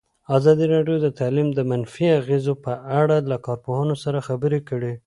ازادي راډیو د تعلیم د منفي اغېزو په اړه له کارپوهانو سره خبرې کړي.